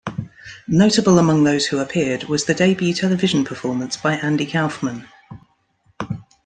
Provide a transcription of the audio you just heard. Notable among those who appeared was the debut television performance by Andy Kaufman.